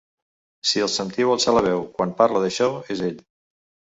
Si el sentiu alçar la veu quan parla d’això, és ell.